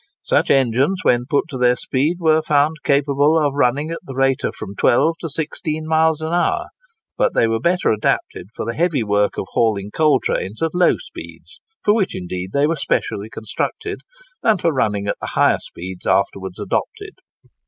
Such engines, when put to their speed, were found capable of running at the rate of from twelve to sixteen miles an hour; but they were better adapted for the heavy work of hauling coal trains at low speeds—for which, indeed, they were specially constructed—than for running at the higher speeds afterwards adopted.